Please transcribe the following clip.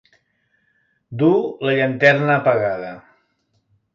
Dur la llanterna apagada.